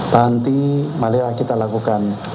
nanti marilah kita lakukan